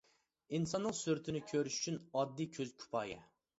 ئىنساننىڭ سۈرىتىنى كۆرۈش ئۈچۈن ئاددىي كۆز كۇپايە.